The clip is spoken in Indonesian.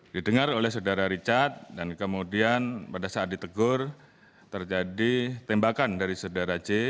didengar oleh saudara richard dan kemudian pada saat ditegur terjadi tembakan dari saudara j